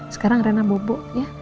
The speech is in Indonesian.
sekarang rena bobo ya